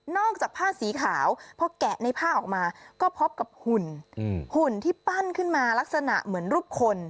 จากผ้าสีขาวพอแกะในผ้าออกมาก็พบกับหุ่นหุ่นที่ปั้นขึ้นมาลักษณะเหมือนรูปคน